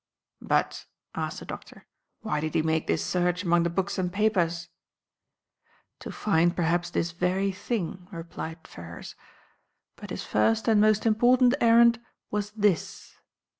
"But," asked the doctor, "why did he make this search among the books and papers?" "To find perhaps this very thing," replied Ferrars. "But his first and most important errand was this."